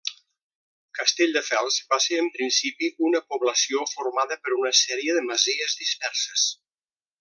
Castelldefels va ser en principi una població formada per una sèrie de masies disperses.